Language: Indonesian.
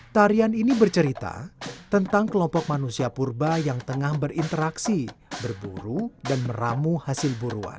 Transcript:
tarian ini bercerita tentang kelompok manusia purba yang tengah berinteraksi berburu dan meramu hasil buruan